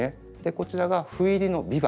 こちらが斑入りの「ビワ」。